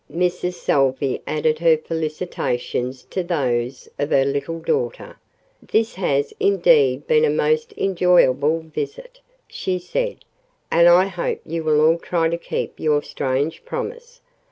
Mrs. Salvey added her felicitations to those of her little daughter. "This has indeed been a most enjoyable visit," she said, "and I hope you will all try to keep your strange promise.